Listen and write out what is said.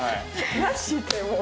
マジでもう。